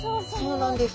そうなんです。